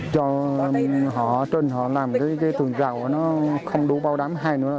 cho họ trên họ làm cái tường rào nó không đủ bao đám hay nữa